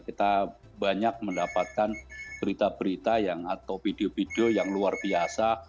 kita banyak mendapatkan berita berita atau video video yang luar biasa